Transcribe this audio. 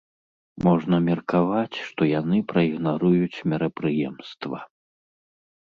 Можна меркаваць, што яны праігнаруюць мерапрыемства.